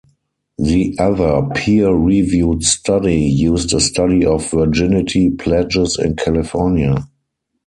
The other peer-reviewed study used a study of virginity pledges in California.